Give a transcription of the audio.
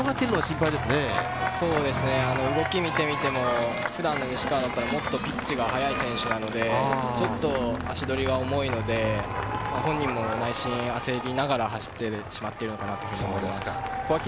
そうですね、動きを見てみても、普段の西川だったらもっとピッチが速い選手なので、ちょっと足取りが重いので、本人も内心、焦りながら走ってしまっているのかなと思います。